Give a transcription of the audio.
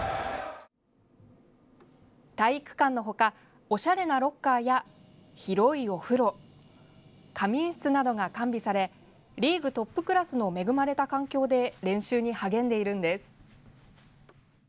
体育館の他おしゃれなロッカーや広いお風呂、仮眠室などが完備されリーグトップクラスの恵まれた環境で練習に励んでいるんです。